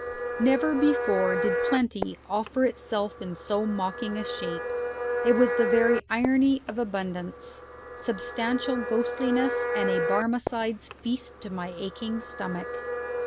Never before did plenty offer itself in so mocking a shape. It was the very irony of abundance substantial ghostliness and a Barmecide's feast to my aching stomach.